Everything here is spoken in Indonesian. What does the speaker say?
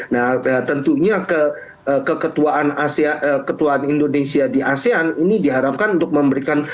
nah tentunya keketuaan indonesia di asean ini diharapkan untuk memberikan